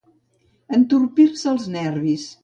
Entorpir-se els nervis.